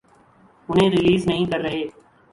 انہیں ریلیز نہیں کر رہے۔